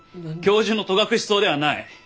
教授の戸隠草ではない！